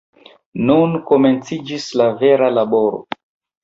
Nun komenciĝis la vera laboro!